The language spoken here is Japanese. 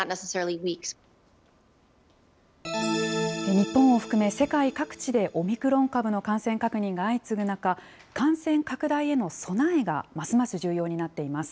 日本を含め、世界各地でオミクロン株の感染確認が相次ぐ中、感染拡大への備えがますます重要になっています。